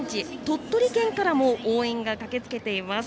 鳥取県からも応援が駆けつけています。